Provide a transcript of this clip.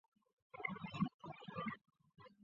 登顶路线是行经北坳的北侧路线。